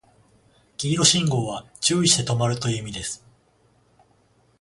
黄色信号は注意して止まるという意味です